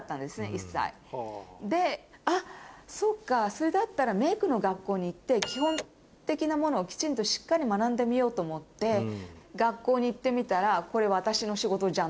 で「あっそっかそれだったらメイクの学校に行って基本的なものをきちんとしっかり学んでみよう」と思って学校に行ってみたら。